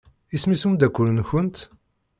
Isem-is umeddakel-nkent?